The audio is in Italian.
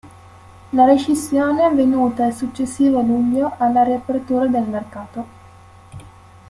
La rescissione è avvenuta il successivo luglio, alla riapertura del mercato.